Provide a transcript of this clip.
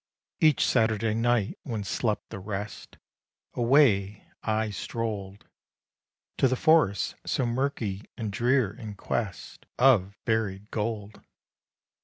Each Saturday night, when slept the rest, Away I stroll'd To the forest, so murky and drear, in quest Of buried gold.